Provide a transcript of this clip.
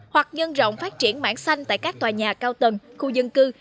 hoặc nhân rộng phát triển mảng xanh tại các tòa nhà cao tầng khu dân cư